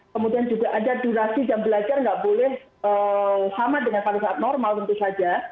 kemudian juga ada durasi jam belajar nggak boleh sama dengan pada saat normal tentu saja